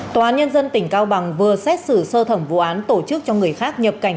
tòa án nhân dân tỉnh cao bằng vừa xét xử sơ thẩm vụ án tổ chức cho người khác nhập cảnh